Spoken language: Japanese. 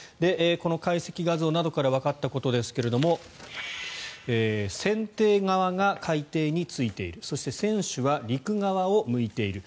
この解析画像などからわかったことですが船底側が海底についているそして、船首は陸側を向いている。